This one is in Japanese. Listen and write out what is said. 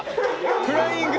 フライング。